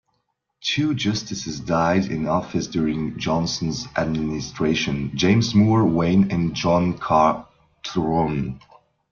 Two justices died in office during Johnson's administration, James Moore Wayne and John Catron.